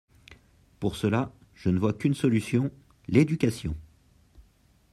Pour cela, je ne vois qu’une solution: l’éducation!